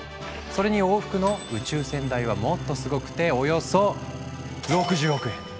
それに往復の宇宙船代はもっとすごくておよそ６０億円。